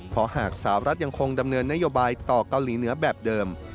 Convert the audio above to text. เพราะหากสาวรัฐยังคงดำเนินนโยบายต่อเกาหลีเหนือแบบเดิม